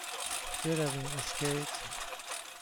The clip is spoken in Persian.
برویم اسکیت؟